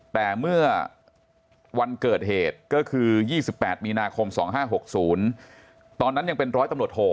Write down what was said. แต่เมื่อวันเกิดเหตุก็คือ๒๘มีนาคม๒๕๖๐ตอนนั้นยังเป็นร้อยตำรวจโท